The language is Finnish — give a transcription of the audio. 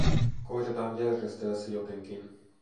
Koitetaan järjestää se jotenkin.